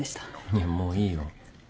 いやもういいよ。